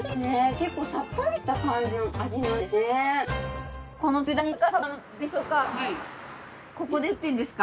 結構さっぱりした感じの味なんですね。